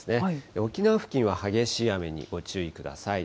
沖縄付近は激しい雨にご注意ください。